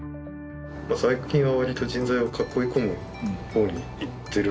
最近はわりと人材を囲い込むほうにいってるんですよね。